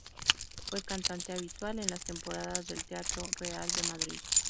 Fue cantante habitual en las temporadas del Teatro Real de Madrid.